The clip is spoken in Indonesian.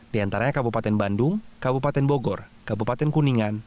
di antaranya kabupaten bandung kabupaten bogor kabupaten kuningan